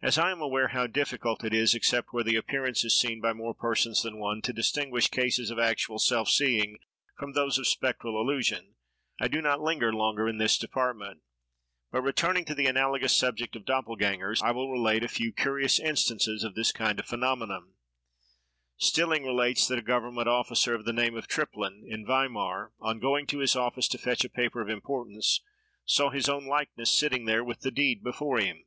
As I am aware how difficult it is, except where the appearance is seen by more persons than one, to distinguish cases of actual self seeing from those of spectral illusion, I do not linger longer in this department; but, returning to the analogous subject of doppelgängers, I will relate a few curious instances of this kind of phenomena:— Stilling relates that a government officer, of the name of Triplin, in Weimar, on going to his office to fetch a paper of importance, saw his own likeness sitting there, with the deed before him.